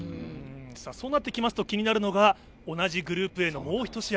そうなってきますと気になるのが同じグループでのもう１試合